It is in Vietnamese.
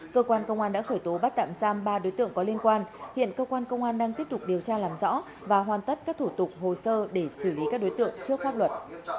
cơ quan công an đã khởi tố bắt tạm giam ba đối tượng có liên quan hiện cơ quan công an đang tiếp tục điều tra làm rõ và hoàn tất các thủ tục hồ sơ để xử lý các đối tượng trước pháp luật